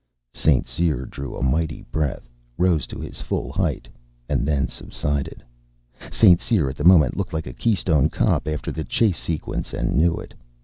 St. Cyr drew a mighty breath, rose to his full height and then subsided. St. Cyr at the moment looked like a Keystone Kop after the chase sequence, and knew it.